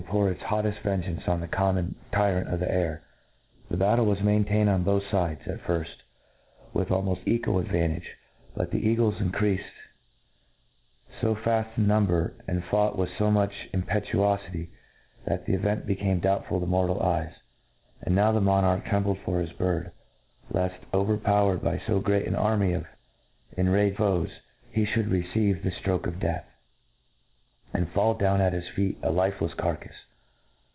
pour its hotleft vengeance on the common ty rant of the air. The battle was maintained on both fides^ at^fiift> wkh almoft equal advantage ;..' but INTRODUCTION. 9^ but the eagles 'increafed fo fafl: in number, and fought with fo much impctuofity, that the event became doubtful to piortalr eyca, And now the monarch trembled for his bird, left, overpowered by fo great an army of en xsaged foes, he (hould receive the ftrokc of death, and fall down at his feci a lifeleft carcafe.